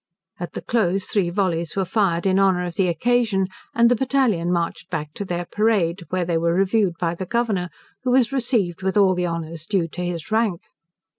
At the close three vollies were fired in honour of the occasion, and the battalion marched back to their parade, where they were reviewed by the Governor, who was received with all the honours due to his rank.